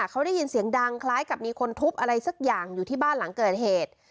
เขาได้ยินเสียงดังคล้ายกับมีคนทุบอะไรสักอย่างอยู่ที่บ้านหลังเกิดเหตุ